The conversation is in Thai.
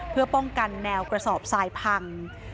เพื่อป้องกันแนวกระสอบทรายพัง